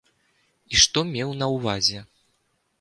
І што меў на ўвазе.